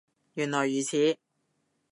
原來如此